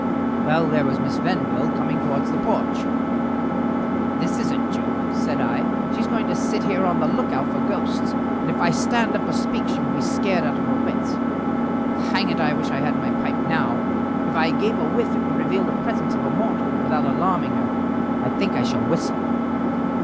Well, there was Miss Venville coming towards the porch. "This is a joke," said I. "She is going to sit here on the look out for ghosts, and if I stand up or speak she will be scared out of her wits. Hang it, I wish I had my pipe now; if I gave a whiff it would reveal the presence of a mortal, without alarming her. I think I shall whistle."